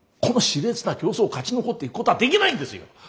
この熾烈な競争を勝ち残っていくことはできないんですよ。